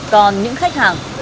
còn những khách hàng